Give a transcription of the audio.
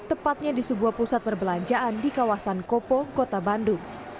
tepatnya di sebuah pusat perbelanjaan di kawasan kopo kota bandung